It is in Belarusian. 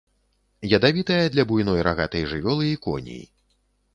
Ядавітая для буйной рагатай жывёлы і коней.